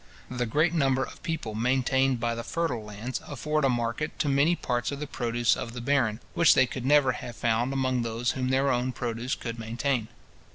The great number of people maintained by the fertile lands afford a market to many parts of the produce of the barren, which they could never have found among those whom their own produce could maintain.